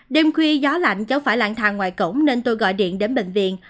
đêm khuya gió lạnh cháu phải lạng thang ngoài cổng nên tôi gọi điện đến bệnh viện